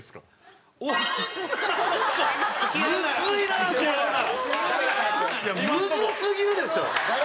むずすぎるでしょ。